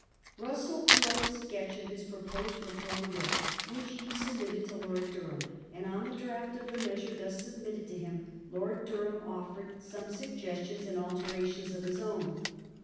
Russell drew up a sketch of his proposed Reform Bill, which he submitted to Lord Durham, and on the draft of the measure thus submitted to him Lord Durham offered some suggestions and alterations of his own.